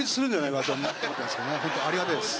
本当ありがたいです。